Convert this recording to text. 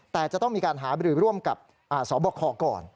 แต่จะต้องมีการหาบริหรือร่วมกับอ่าสอบบอกขอก่อน